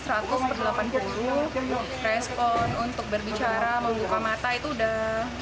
respon untuk berbicara membuka mata itu udah